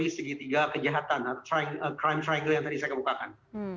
dan teori segitiga kejahatan atau crime triangle yang tadi saya kebukakan